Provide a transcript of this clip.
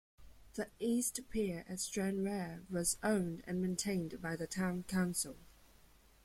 The East Pier at Stranraer was owned and maintained by the Town Council.